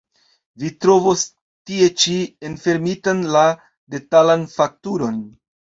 Vi trovos tie ĉi enfermitan la detalan fakturon.